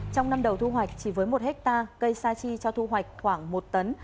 trong năm đầu thu hoạch chỉ với một hectare cây sa chi cho thu hoạch khoảng một tấn